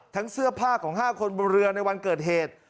เสื้อผ้าของ๕คนบนเรือในวันเกิดเหตุ